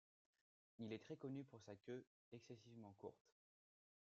Il est très connu pour sa queue excessivement courte.